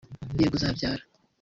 "Yego uzabyara"